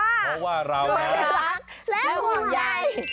เพราะว่าเรารักและห่วงใย